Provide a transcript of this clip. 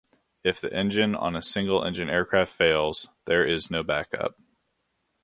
If the engine on a single-engine aircraft fails, there is no backup.